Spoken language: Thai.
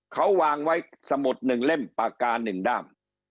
เขาวางไว้สมุดหนึ่งเล่มปากกาหนึ่งด้าม